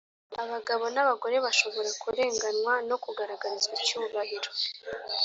abagabo n’abagore bashobora kurenganywa no kugaragarizwa icyubahiro